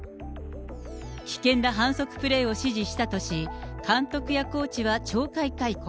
危険な反則プレーを指示したとし、監督やコーチは懲戒解雇。